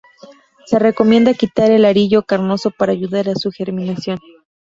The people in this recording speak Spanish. Se recomienda quitar el arilo carnoso para ayudar a su germinación.